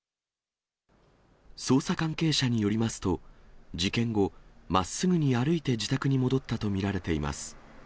捜査関係者によりますと、事件後、まっすぐに歩いて自宅に戻ったと見られています。